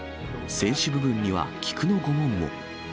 船首部分には菊の御紋も。